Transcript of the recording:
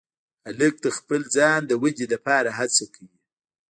هلک د خپل ځان د ودې لپاره هڅه کوي.